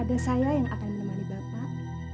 ada saya yang akan menemani bapak